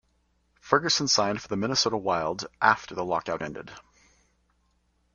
Ferguson signed for the Minnesota Wild after the lockout ended.